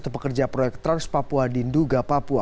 satu pekerja proyek trans papua di nduga papua